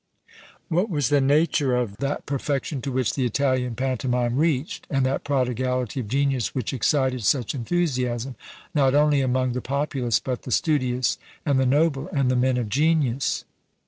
What was the nature of that perfection to which the Italian pantomime reached; and that prodigality of genius which excited such enthusiasm, not only among the populace, but the studious, and the noble, and the men of genius?